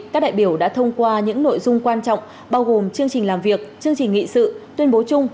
các đại biểu đã thông qua những nội dung quan trọng bao gồm chương trình làm việc chương trình nghị sự tuyên bố chung